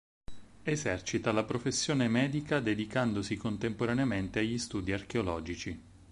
Esercita la professione medica dedicandosi contemporaneamente agli studi archeologici.